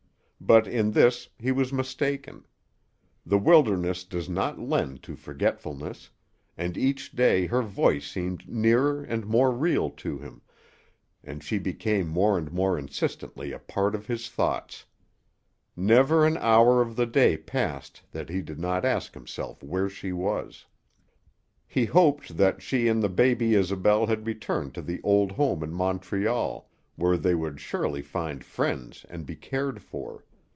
But in this he was mistaken. The wilderness does not lend to forgetfulness, and each day her voice seemed nearer and more real to him, and she became more and more insistently a part of his thoughts. Never an hour of the day passed that he did not ask himself where she was. He hoped that she and the baby Isobel had returned to the old home in Montreal, where they would surely find friends and be cared for.